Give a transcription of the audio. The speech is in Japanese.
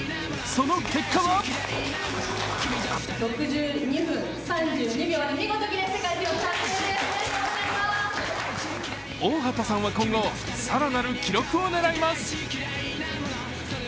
その結果は大畑さんは今後更なる記録を狙います。